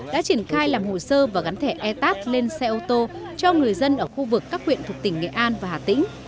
đã triển khai làm hồ sơ và gắn thẻ etat lên xe ô tô cho người dân ở khu vực các huyện thuộc tỉnh nghệ an và hà tĩnh